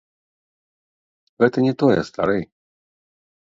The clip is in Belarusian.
Гэта не тое, стары.